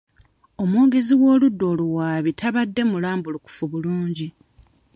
Omwogezi w'oludda oluwaabi tabadde mulambulukufu bulungi.